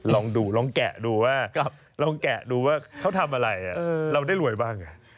ลองดูลองแกะดูว่าเขาทำอะไรเราได้รวยบ้าง